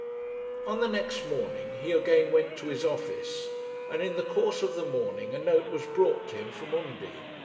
On the next morning he again went to his office, and in the course of the morning a note was brought to him from Undy.